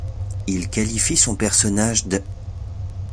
Il qualifie son personnage d'.